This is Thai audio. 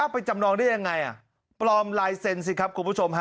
ไปจำนองได้ยังไงปลอมลายเซ็นสิครับคุณผู้ชมฮะ